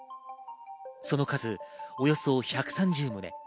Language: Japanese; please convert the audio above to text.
その数およそ１３０棟。